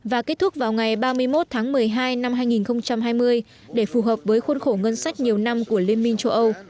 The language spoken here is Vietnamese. và kết thúc vào ngày ba mươi một tháng một mươi hai năm hai nghìn hai mươi để phù hợp với khuôn khổ ngân sách nhiều năm của liên minh châu âu